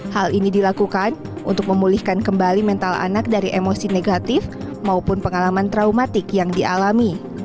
hal ini dilakukan untuk memulihkan kembali mental anak dari emosi negatif maupun pengalaman traumatik yang dialami